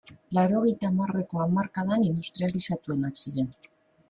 Laurogeita hamarreko hamarkadan industrializatuenak ziren.